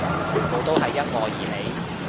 全部都係因我而起